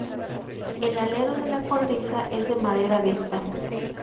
El alero de la cornisa es de madera vista.